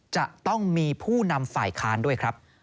จะต้องมีผู้นำฝ่ายค้านด้วยครับ